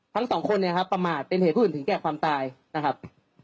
ทั้งสองคนเนี่ยครับประมาทเป็นเหตุผู้อื่นถึงแก่ความตายนะครับ